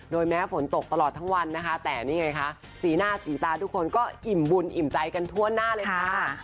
แม้ฝนตกตลอดทั้งวันนะคะแต่นี่ไงคะสีหน้าสีตาทุกคนก็อิ่มบุญอิ่มใจกันทั่วหน้าเลยค่ะ